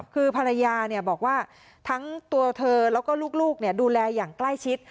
คือภรรยาบอกว่าทั้งตัวเธอแล้วก็ลูกดูแลอย่างใกล้ชิด